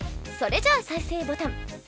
それじゃあ再生ボタン。